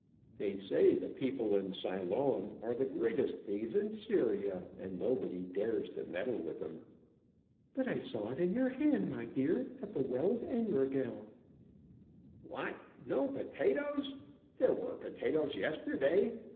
"They say the people in Siloam are the greatest thieves in Syria; and nobody dares to meddle with them." "But I saw it in your hand, my dear, at the Well of Enrogel." "What, no potatoes! there were potatoes yesterday.